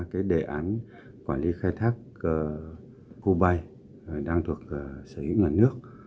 cái đề án quản lý khai thác khu bay đang thuộc sở hữu nhà nước